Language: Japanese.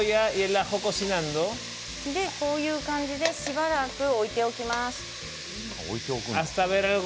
こういう感じで、しばらく置いておきます。